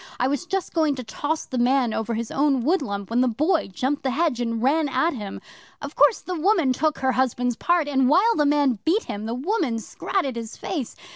I was just going to toss the man over his own woodlump when the Boy jumped the hedge and ran at him. Of course the woman took her husband's part, and while the man beat him, the woman scratted his face.